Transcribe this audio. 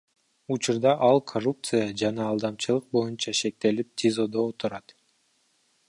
Учурда ал коррупция жана алдамчылык боюнча шектелип ТИЗОдо отурат.